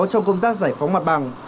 trong công tác giải phóng mặt bằng